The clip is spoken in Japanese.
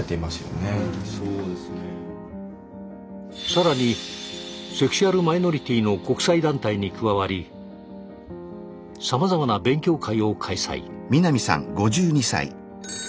さらにセクシュアルマイノリティの国際団体に加わりさまざまな勉強会を開催。